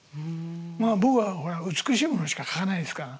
僕はほら美しいものしか描かないですから。